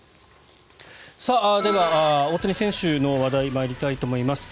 では、大谷選手の話題参りたいと思います。